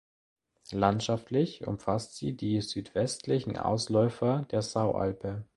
Landschaftlich umfasst sie die südwestlichen Ausläufer der Saualpe.